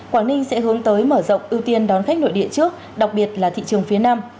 quảng ninh sẽ hướng tới mở rộng ưu tiên đón khách nội địa trước đặc biệt là thị trường phía nam